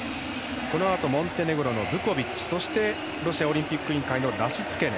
このあと、モンテネグロのブコビッチ、そしてロシアオリンピック委員会のラシツケネ。